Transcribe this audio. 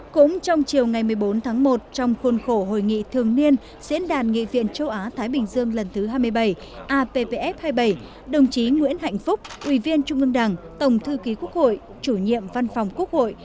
cũng trong chiều ngày một mươi bốn tháng một trong khuôn khổ hội nghị thường niên diễn đàn nghị viện châu á thái bình dương lần thứ hai mươi bảy appf hai mươi bảy đồng chí nguyễn hạnh phúc ủy viên trung ương đảng tổng thư ký quốc hội chủ nhiệm văn phòng quốc hội